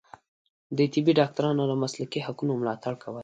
د طبي ډاکټرانو د مسلکي حقونو ملاتړ کول